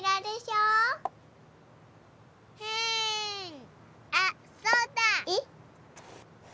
うんあっそうだ！えっ？